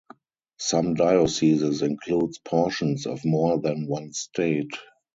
Some dioceses includes portions of more than one state.